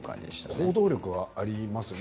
行動力がありますね。